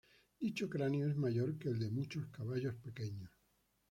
Dicho cráneo es mayor que el de muchos caballos pequeños.